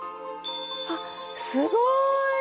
あっすごい！